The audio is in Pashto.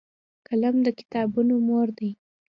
قلم د کتابونو مور دی